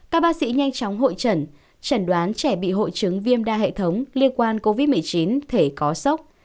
các bác sĩ nhanh chóng hội trần chẩn đoán trẻ bị hội chứng viêm đa hệ thống liên quan covid một mươi chín thể có sốc